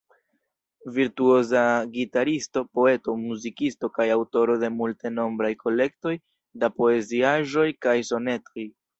Virtuoza gitaristo, poeto, muzikisto kaj aŭtoro de multenombraj kolektoj da poeziaĵoj kaj sonetoj.